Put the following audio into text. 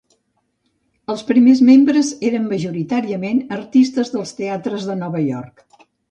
Els primers membres eren majoritàriament artistes dels teatres de Nova York.